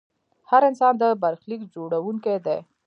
هر انسان د برخلیک جوړونکی دی.